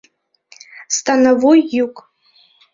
Становой йӱк.